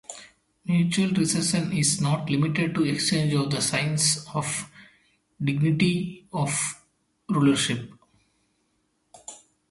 Mutual reception is not limited to exchange of the signs of dignity of rulership.